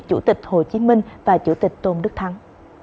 chủ tịch hồ chí minh và chủ tịch tôn đức thắng